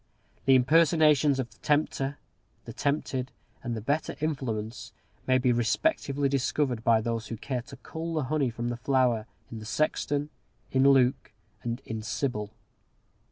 The impersonations of the Tempter, the Tempted, and the Better Influence may be respectively discovered, by those who care to cull the honey from the flower, in the Sexton, in Luke, and in Sybil.